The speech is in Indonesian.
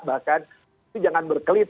bahkan jangan berkelit